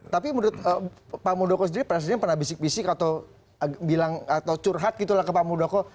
tapi menurut pak muldoko sendiri presiden pernah bisik bisik atau bilang atau curhat gitu lah ke pak muldoko